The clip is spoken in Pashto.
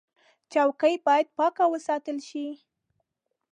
چوکۍ باید پاکه وساتل شي.